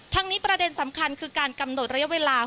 ทั้งนี้ประเด็นสำคัญคือการกำหนดระยะเวลา